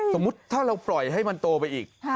สมมุติถ้าเราปล่อยให้มันโตไปอีก